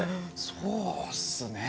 そうっすね。